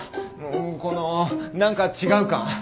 この何か違う感。